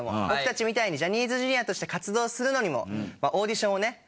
僕たちみたいにジャニーズＪｒ．として活動するのにもオーディションをね